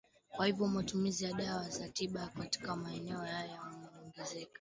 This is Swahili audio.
Kwa hivyo matumizi ya dawa za tiba ya mifugo katika maeneo hayo yameongezeka